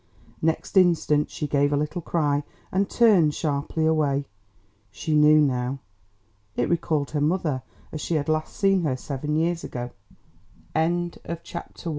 Next instant she gave a little cry and turned sharply away. She knew now. It recalled her mother as she had last seen her seven years ago. CHAPTER II.